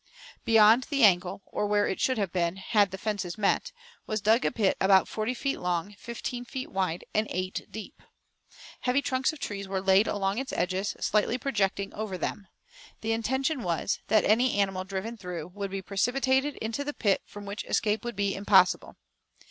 Beyond the angle, or where it should have been, had the fences met, was dug a pit about forty feet long, fifteen wide, and eight deep. Heavy trunks of trees were laid along its edges, slightly projecting over them. The intention was, that any animal driven through would be precipitated into the pit from which escape would be impossible.